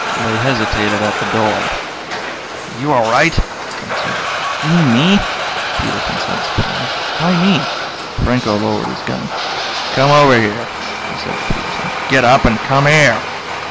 They hesitated at the door. "Are you all right?" French said. "Do you mean me?" Peterson said, surprised. "Why me?" Franco lowered his gun. "Come over here," he said to Peterson. "Get up and come here."